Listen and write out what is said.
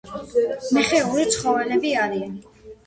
მეხეური ცხოველები არიან.